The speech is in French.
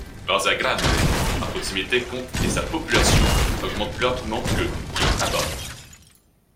Várzea Grande, à proximité, compte et sa population augmente plus rapidement que Cuiabá.